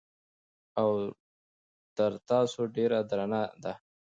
او تر تاسو ډېره درنه ده